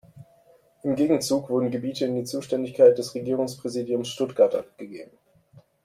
Im Gegenzug wurden Gebiete in die Zuständigkeit des Regierungspräsidiums Stuttgart abgegeben.